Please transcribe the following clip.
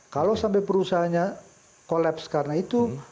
kalau sampai perusahaannya collapse karena itu